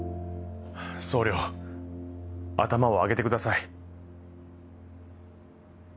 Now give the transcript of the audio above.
総領頭を上げてください。